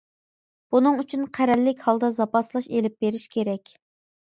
بۇنىڭ ئۈچۈن قەرەللىك ھالدا زاپاسلاش ئېلىپ بېرىش كېرەك.